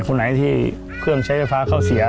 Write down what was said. คนไหนที่เครื่องใช้ไฟฟ้าเข้าเสีย